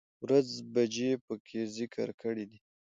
،ورځ، بجې په کې ذکر کړى دي